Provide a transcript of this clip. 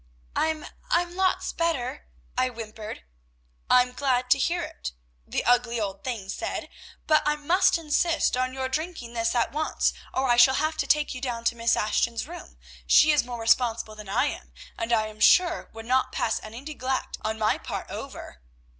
"'I'm I'm lots better,' I whimpered. "'I'm glad to hear it,' the ugly old thing said; 'but I must insist on your drinking this at once, or I shall have to take you down to Miss Ashton's room; she is more responsible than I am, and I am sure would not pass any neglect on my part over.'